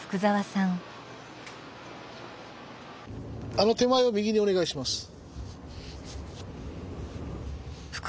あの手前を右にお願いします。